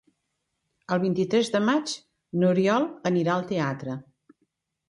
El vint-i-tres de maig n'Oriol anirà al teatre.